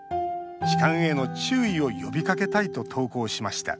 痴漢への注意を呼びかけたいと投稿しました。